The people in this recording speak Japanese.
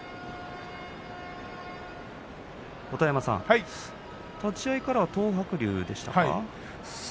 音羽山さん、立ち合いから東白龍でしたか？